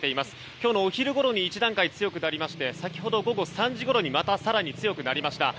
今日のお昼ごろに一段階強くなりまして先ほど午後３時ごろにまた更に強くなりました。